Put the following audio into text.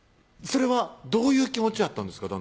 それはどういう気持ちやったんですか？